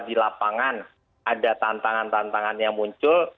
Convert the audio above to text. di lapangan ada tantangan tantangan yang muncul